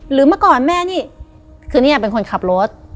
เมื่อก่อนแม่นี่คือเนี่ยเป็นคนขับรถ